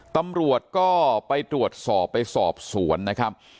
ตำรวจก็ไปตรวจสอบไปสอบสวนนะครับ